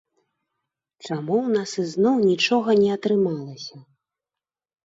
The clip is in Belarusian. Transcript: Чаму ў нас ізноў нічога не атрымалася.